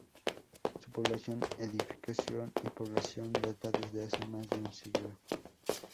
Su población edificación y población data desde hace más de un siglo.